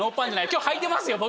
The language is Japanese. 今日はいてますよ僕。